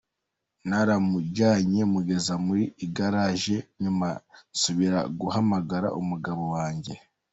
Naramujyanye mugeza mu igaraje nyuma nsubira guhamagara umugabo wange.